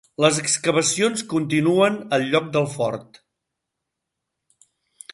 Les excavacions continuen al lloc del fort.